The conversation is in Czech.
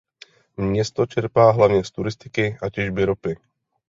Město čerpá hlavně z turistiky a těžby ropy.